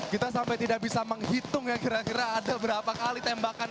kita sampai tidak bisa menghitung ya kira kira ada berapa kali tembakan